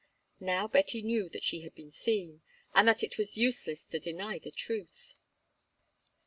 Now Betty knew that she had been seen, and that it was useless to deny the truth.